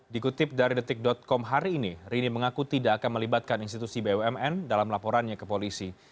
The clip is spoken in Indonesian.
dikutip dari detik com hari ini rini mengaku tidak akan melibatkan institusi bumn dalam laporannya ke polisi